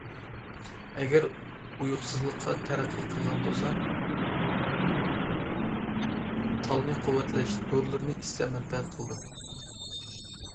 ئەگەر ئۇيقۇسىزلىققا تەرەققىي قىلغان بولسا، تالنى قۇۋۋەتلەش دورىلىرىنى ئىچسە مەنپەئەت قىلىدۇ.